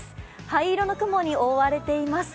灰色の雲に覆われています。